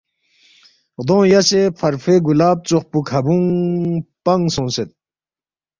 غدونگ یاسے فرفوے گلاب ژوخپو کھبونگ پنگ سونگسید